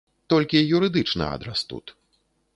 Толькі юрыдычны адрас тут.